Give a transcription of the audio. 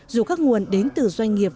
dù các nguồn đến từ doanh nghiệp